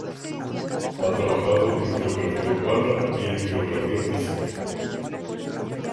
Ha trabajado en Geografía Urbana y en Geografía Física.